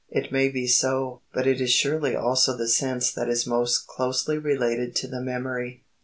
It may be so, but it is surely also the sense that is most closely related to the memory.